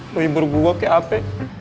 lu hibur gua ke apa